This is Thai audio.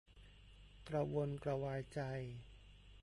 กระวนกระวายใจ